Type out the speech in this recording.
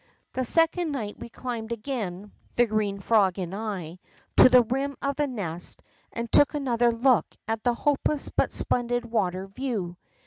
The second night we climbed again, the green frog and I, to the rim of the nest, and took another look at the hopeless but splendid water view.